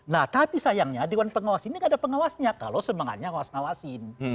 nah tapi sayangnya dewan pengawas ini gak ada pengawasnya kalau semangatnya ngawas ngawasin